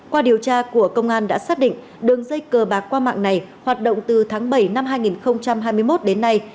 qua điều tra của công an đã xác định đường dây cờ bạc qua mạng này hoạt động từ tháng bảy năm hai nghìn hai mươi một đến nay